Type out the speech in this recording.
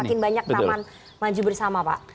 semakin banyak taman maju bersama pak